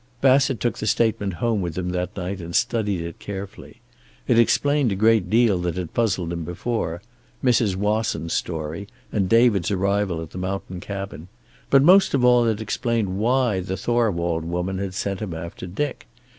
Bassett took the statement home with him that night, and studied it carefully. It explained a great deal that had puzzled him before; Mrs. Wasson's story and David's arrival at the mountain cabin. But most of all it explained why the Thorwald woman had sent him after Dick.